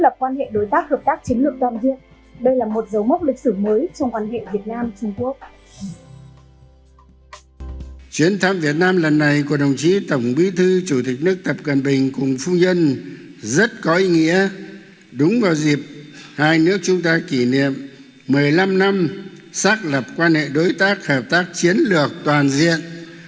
chuyến thăm việt nam lần này của đồng chí tổng bí thư chủ tịch nước tập cận bình cùng khu nhân rất có ý nghĩa đúng vào dịp hai nước chúng ta kỷ niệm một mươi năm năm xác lập quan hệ đối tác hợp tác chiến lược toàn diện